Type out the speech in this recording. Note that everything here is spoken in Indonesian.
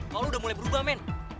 kalau udah mulai berubah men